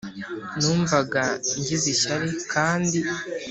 Numvaga ngize ishyari kandi